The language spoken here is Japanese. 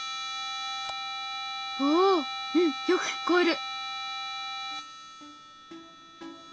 おおうんよく聞こえる！